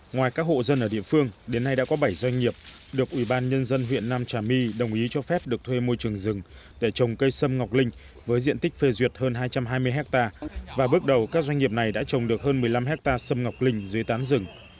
ngoài các hộ dân ở địa phương đến nay đã có bảy doanh nghiệp được ubnd huyện nam trà my đồng ý cho phép được thuê môi trường rừng để trồng cây xâm ngọc linh với diện tích phê duyệt hơn hai trăm hai mươi hectare và bước đầu các doanh nghiệp này đã trồng được hơn một mươi năm hectare xâm ngọc linh dưới tán rừng